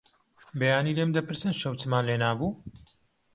بەیانی لێم دەپرسن شەو چمان لێنابوو؟